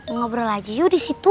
ngobrol aja yuk disitu